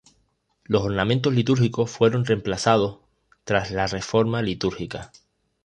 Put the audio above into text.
Los ornamentos litúrgicos fueron reemplazados tras la Reforma Litúrgica.